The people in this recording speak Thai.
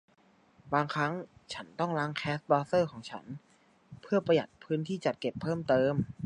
บางครั้งฉันต้องล้างแคชเบราว์เซอร์ของฉันเพื่อประหยัดพื้นที่จัดเก็บเพิ่มเติม